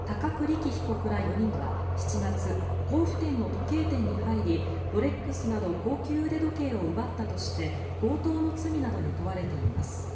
稀被告ら４人は７月甲府市の時計店に入りロレックスなど高級腕時計を奪ったとして強盗の罪などに問われています。